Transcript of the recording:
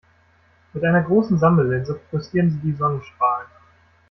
Mit einer großen Sammellinse fokussieren sie die Sonnenstrahlen.